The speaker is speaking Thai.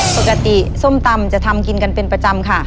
ส้มตำจะทำกินกันเป็นประจำค่ะ